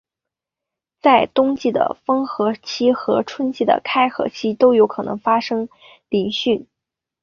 在冬季的封河期和春季的开河期都有可能发生凌汛。